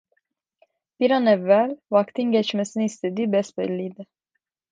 Bir an evvel vaktin geçmesini istediği besbelliydi.